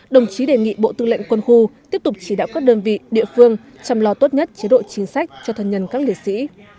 đồng chí đề nghị bộ tư lệnh quân khu tiếp tục chỉ đạo các đơn vị địa phương chăm lo tốt nhất chế độ chính sách cho thân nhân các liệt sĩ